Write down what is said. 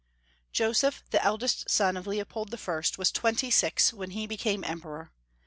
JOSEPH, the eldest son of Leopold I., wa& twenty six when he became Emperor.